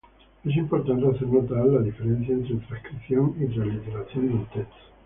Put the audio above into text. Es importante hacer notar la diferencia entre transcripción y transliteración de un texto.